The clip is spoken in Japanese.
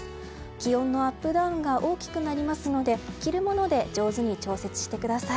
気温のアップダウンが大きくなりますので着るもので上手に調節してください。